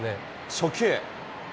初球。